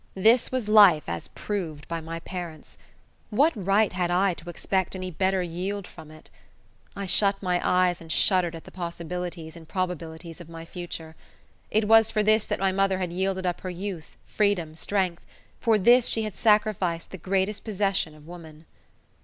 This was life as proved by my parents! What right had I to expect any better yield from it? I shut my eyes and shuddered at the possibilities and probabilities of my future. It was for this that my mother had yielded up her youth, freedom, strength; for this she had sacrificed the greatest possession of woman.